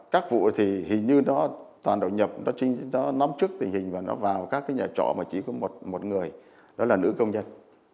các vụ thì hình như nó toàn độ nhập nó nắm trước tình hình và nó vào các cái nhà trọ mà chỉ có một người đó là nữ công nhân